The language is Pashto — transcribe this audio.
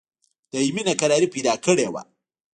دایمي ناکراري پیدا کړې وه.